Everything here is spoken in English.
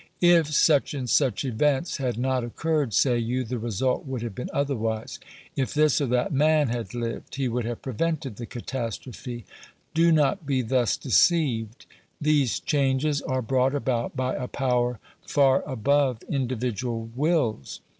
If such and such events had not occurred, say you, the result would have been otherwise ;, if this or that man had lived, he would have prevented the catastrophe. Do not be thus deceived. These changes are brought about by a power far above individual wills.